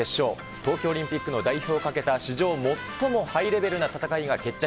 東京オリンピックの代表をかけた史上最もハイレベルな戦いが決着。